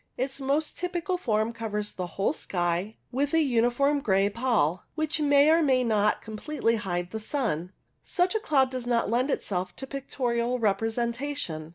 Its most typical form covers the whole sky with a uniform grey pall, which may or may not completely hide the sun. Such a cloud does not lend itself to pictorial representation.